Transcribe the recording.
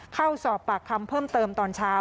เข้าสอบปากคำเพิ่มเติมตอนเช้า